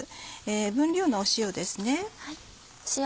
分量の塩ですね。